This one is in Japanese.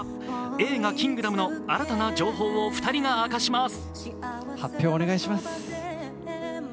映画「キングダム」の新たな情報を２人が明かします。